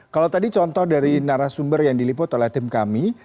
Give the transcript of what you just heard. kalau tadi contoh dari narasumber yang diliput oleh tim kami